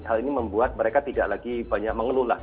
hal ini membuat mereka tidak lagi banyak mengeluh